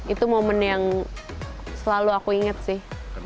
itu momen yang selalu aku inget sih